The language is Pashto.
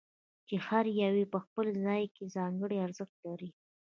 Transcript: چې هر یو یې په خپل ځای ځانګړی ارزښت لري.